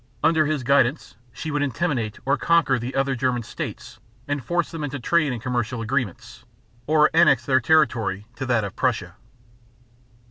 Under his guidance she would intimidate or conquer the other German states and force them into trade and commercial agreements, or annex their territory to that of Prussia.